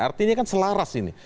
artinya kan selaras ini